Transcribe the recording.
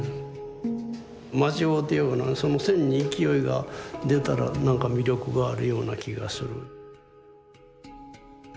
間違うてようがその線に勢いが出たらなんか魅力があるような気がする。